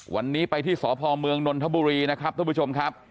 วันนี้ไปที่สพเมืองนนทบุรีนะครับท่านผู้ชมครับ